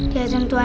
dia jangan pingsan